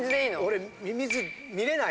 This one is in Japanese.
俺ミミズ見れない。